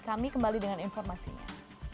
kami kembali dengan informasinya